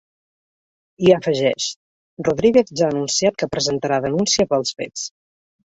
I afegeix: Rodríguez ja ha anunciat que presentarà denúncia pels fets.